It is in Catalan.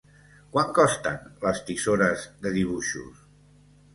Quant costen les tisores de dibuixos?